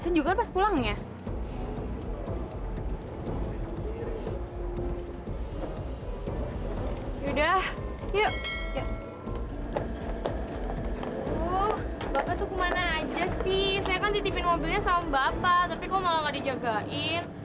saya kan titipin mobilnya sama bapak tapi kok malah gak dijagain